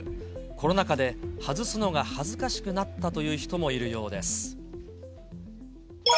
コロナ禍で外すのが恥ずかしくなったという人もいるようです。